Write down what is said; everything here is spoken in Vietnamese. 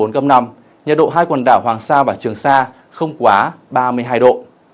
nhiệt độ hai quần đảo hoàng sa và trường sa không quá ba mươi hai độ